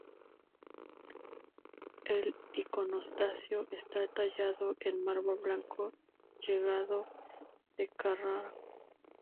El iconostasio está tallado en mármol blanco llegado de Carrara.